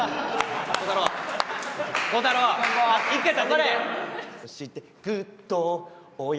それ！